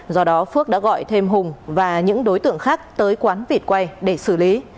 do đó phước đã gọi thêm hùng và những đối tượng khác tới quán vịt quay để xử lý